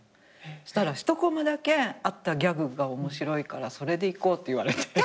そしたら１こまだけあったギャグが面白いからそれでいこうって言われて。